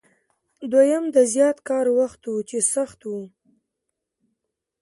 دویم د زیات کار وخت و چې سخت و.